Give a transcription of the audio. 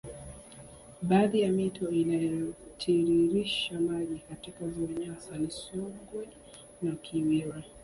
Baadhi ya mito inayotiririsha maji katika ziwa Nyasa ni Songwe na Kiwira